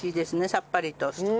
さっぱりとして。